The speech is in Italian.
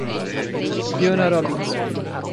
Fiona Robinson